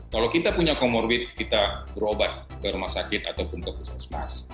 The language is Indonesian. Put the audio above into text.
kalau kita punya komorbit kita berobat ke rumah sakit ataupun ke pusat mas